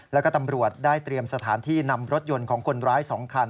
แล้วก็ตำรวจได้เตรียมสถานที่นำรถยนต์ของคนร้าย๒คัน